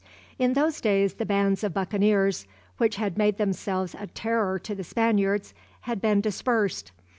In those days the bands of buccaneers which had made themselves a terror to the Spaniards had been dispersed.